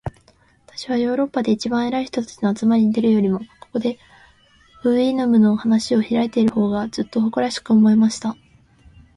私はヨーロッパで一番偉い人たちの集まりに出るよりも、ここで、フウイヌムの話を開いている方が、ずっと誇らしく思えました。